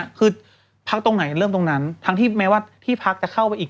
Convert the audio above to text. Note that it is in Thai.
คือพักตรงไหนเริ่มตรงนั้นทั้งที่แม้ว่าที่พักจะเข้าไปอีก